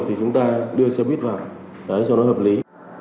thì chúng ta đưa xe buýt vào cho nó hợp lý